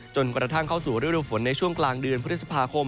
จนกระทั่งเข้าสู่ฤดูฝนในช่วงกลางเดือนพฤษภาคม